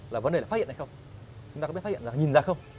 là vấn đề là phát hiện hay không chúng ta có biết phát hiện ra nhìn ra không